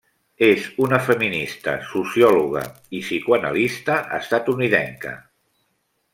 És una feminista, sociòloga, i psicoanalista estatunidenca.